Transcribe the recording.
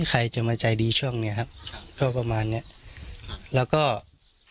ใครจะมาใจดีช่วงเนี้ยครับก็ประมาณเนี้ยแล้วก็